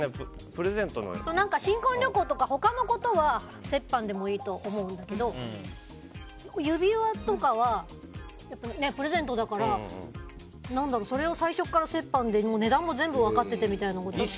新婚旅行とか、他のことは折半でもいいと思うけど指輪とかはプレゼントだからそれを最初から折半で値段も全部分かっててみたいなのも。